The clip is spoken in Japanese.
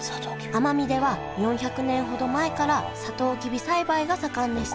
奄美では４００年ほど前からサトウキビ栽培が盛んでした